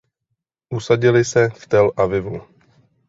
Usadili se v Tel Avivu.